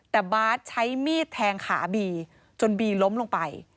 แต่บาทใช้มีดแทงขาบีจนบีล้มลงไป